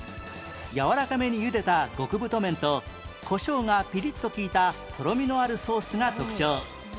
やわらかめにゆでた極太麺とコショウがピリッと利いたとろみのあるソースが特徴